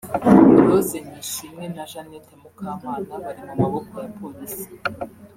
Rose Nishimwe na Jeannette Mukamana bari mu maboko ya Polisi